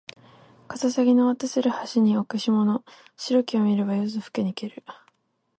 かささぎの渡せる橋に置く霜の白きを見れば夜ぞふけにける